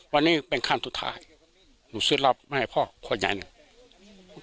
วันนี้เป็นขั้นสุดท้ายหนูซื้อรับมาให้พ่อคนใหญ่หนึ่ง